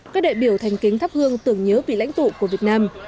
các đại biểu thành kính thắp hương tưởng nhớ vị lãnh tụ của việt nam